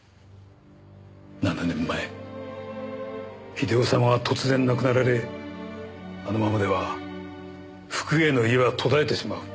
７年前英雄様が突然亡くなられあのままでは福栄の家は途絶えてしまう。